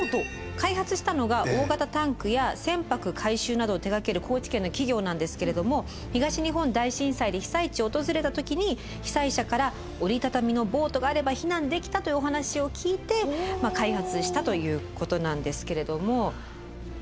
開発したのが大型タンクや船舶改修などを手がける高知県の企業なんですけれども東日本大震災で被災地を訪れた時に被災者から折りたたみのボートがあれば避難できたというお話を聞いて開発したということなんですけれども。